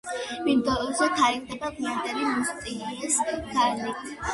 მინდორზე თარიღდება გვიანდელი მუსტიეს ხანით.